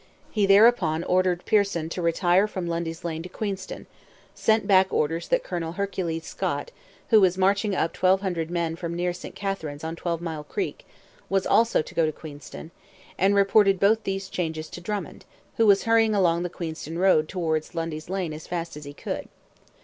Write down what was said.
He thereupon ordered Pearson to retire from Lundy's Lane to Queenston, sent back orders that Colonel Hercules Scott, who was marching up twelve hundred men from near St Catharine's on Twelve Mile Creek, was also to go to Queenston, and reported both these changes to Drummond, who was hurrying along the Queenston road towards Lundy's Lane as fast as he could.